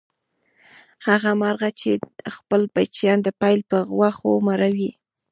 هغه مرغه دی چې خپل بچیان د پیل په غوښو مړوي.